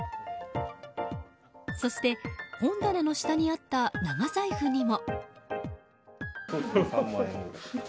そして、本棚の下にあった長財布にも。